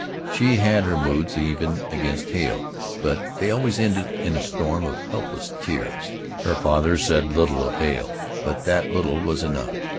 She had her moods even against Hale, but they always ended in a storm of helpless tears. Her father said little of Hale, but that little was enough.